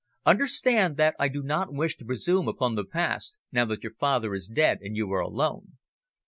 Understand that I do not wish to presume upon the past, now that your father is dead and you are alone.